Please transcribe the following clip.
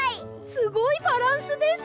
すごいバランスです。